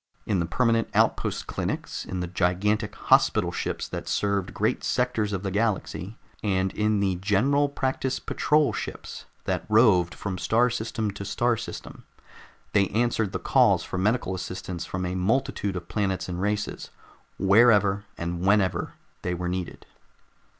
In the permanent outpost clinics, in the gigantic hospital ships that served great sectors of the galaxy, and in the General Practice Patrol ships that roved from star system to star system, they answered the calls for medical assistance from a multitude of planets and races, wherever and whenever they were needed.